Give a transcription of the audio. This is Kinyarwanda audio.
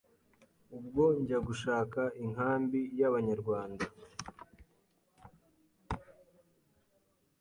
ubwo njya gushaka inkambi y’abanyarwanda